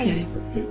うん。